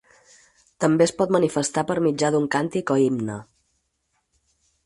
També es pot manifestar per mitjà d'un càntic o himne.